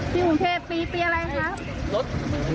ที่กรุงเทพปีอะไรครับ